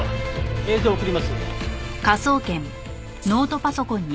映像を送ります。